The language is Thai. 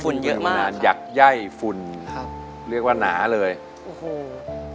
ฝุ่นเยอะมากครับฝุ่นมานานยักษ์ไย้ฝุ่นครับเรียกว่าหนาเลยโอ้โห